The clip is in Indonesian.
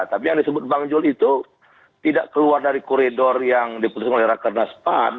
tapi yang disebut bang jul itu tidak keluar dari koridor yang diputuskan oleh rakernas pan